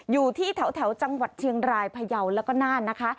อยู่ที่แถวจังหวัดเชียงรายพยาวแล้วก็น่านนะคะ